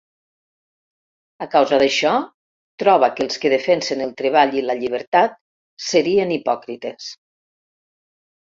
A causa d'això, troba que els que defensen el treball i la llibertat serien hipòcrites.